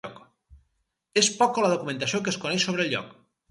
És poca la documentació que es coneix sobre el lloc.